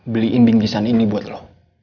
beliin bingki sani ini buat lo